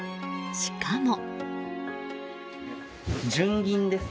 しかも。